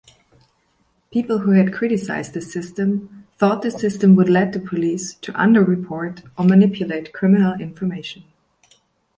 People who had criticized this system thought this system would led the police to underreport or manipulate criminal information.